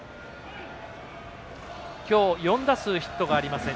今日、４打数ヒットがありません。